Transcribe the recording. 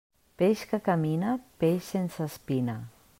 Peix que camina, peix sense espina.